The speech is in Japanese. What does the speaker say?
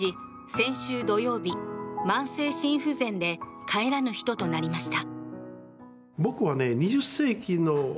先週土曜日慢性心不全で帰らぬ人となりました。